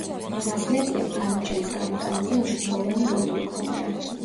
მასმედიამ, განაჩენის გამოტანაზე მნიშვნელოვანი როლი იქონია.